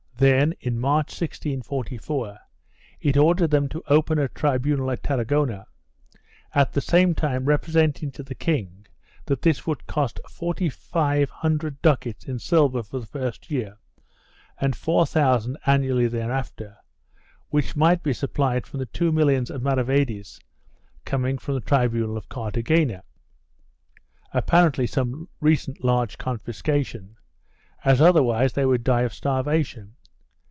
Then, in March, 1644, it ordered them to open a tribunal at Tarragona, at the same time representing to the king that this would cost forty five hundred ducats in silver for the first year, and four thousand annually thereafter, which might be supplied from the two millions of maravedis coming from the tribunal of Cartagena — apparently some recent large confiscation — as otherwise they would die of starvation.